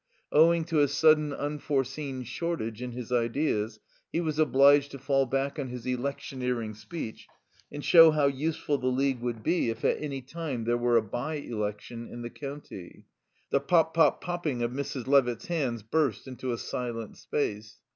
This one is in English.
Owing to a sudden unforeseen shortage in his ideas he was obliged to fall back on his electioneering speech and show how useful the League would be if at any time there were a by election in the county. The pop popping of Mrs. Levitt's hands burst into a silent space.